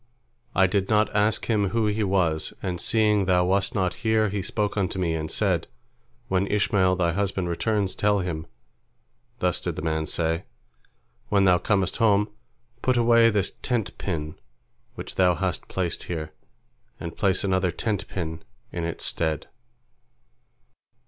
I did not ask him who he was, and seeing thou wast not here, he spoke unto me, and said, When Ishmael thy husband returns, tell him, Thus did the man say, When thou comest home, put away this tent pin which thou hast placed here, and place another tent pin in its stead."